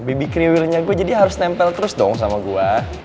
babi kriwirnya gue jadi harus nempel terus dong sama gue